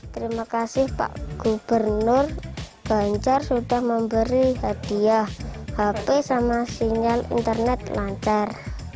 terima kasih pak gubernur ganjar sudah memberi hadiah hp sama sinyal internet lancar